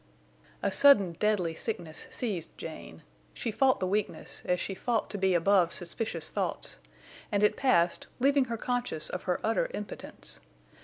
A sudden deadly sickness seized Jane. She fought the weakness, as she fought to be above suspicious thoughts, and it passed, leaving her conscious of her utter impotence.